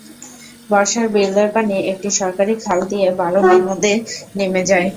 বর্ষায় বিলের পানি একটি সরকারি খাল দিয়ে বারনই নদে নেমে যায়।